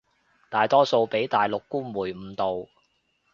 大多數畀大陸官媒誤導